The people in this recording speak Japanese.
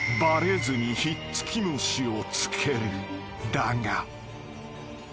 ［だが］